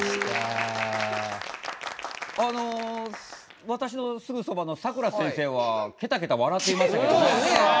あの私のすぐそばのさくら先生はケタケタ笑っていましたけどね。